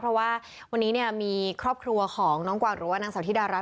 เพราะว่าวันนี้เนี่ยมีครอบครัวของน้องกวางหรือว่านางสาวธิดารัฐ